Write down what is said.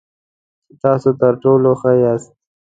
چې تاسو تر ټولو ښه یاست .